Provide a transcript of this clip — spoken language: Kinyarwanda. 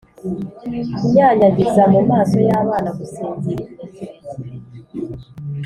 kunyanyagiza mumaso yabana gusinzira igihe kirekire